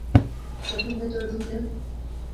যখন ভেতরে ঢুকলে?